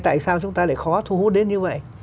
tại sao chúng ta lại khó thu hút đến như vậy